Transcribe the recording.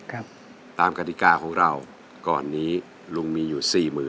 ครับตามกฎิกาของเราก่อนนี้ลุงมีอยู่๔๐๐๐๐